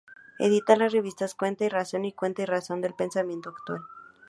Edita las revistas "Cuenta y Razón" y "Cuenta y razón del pensamiento actual.